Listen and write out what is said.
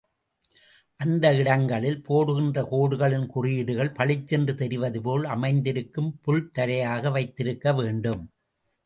அந்த இடங்களில், போடுகின்ற கோடுகளின் குறியீடுகள் பளிச்சென்று தெரிவதுபோல் அமைந்திருக்கும் புல் தரையாக வைத்திருக்க வேண்டும்.